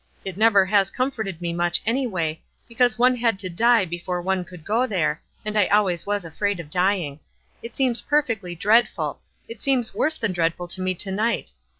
It never has comforted me much, anyway, because one had to die before one could go there, and I WISE AND OTHERWISE. 337 always was afraid of dying. It seems perfectly dreadful — it seems worse than dreadful to me to night.